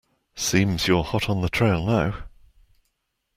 Seems you're hot on the trail now.